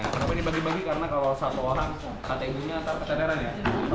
kenapa ini dibagi bagi karena kalau satu orang kategorinya nanti keterangan ya